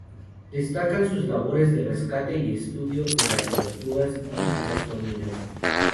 Destacan sus labores de rescate y estudio de las tortugas y las toninas.